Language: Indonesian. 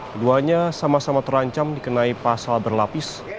keduanya sama sama terancam dikenai pasal berlapis